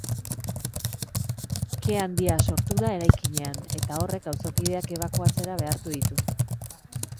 Ke handia sortu da eraikinean eta horrek auzokideak ebakuatzera behartu du.